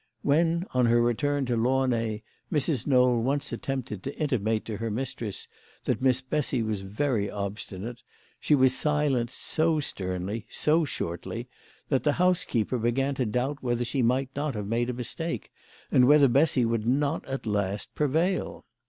When, on her return to Launay, Mrs. Knowl once attempted to intimate to her mistress that Miss Bessy was very obstinate, she was silenced so sternly, so shortly, that the housekeeper began to doubt whether she might not have made a mistake and whether Bessy would not at last prevail.